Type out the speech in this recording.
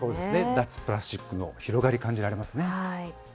脱プラスチックの広がり、感じられますね。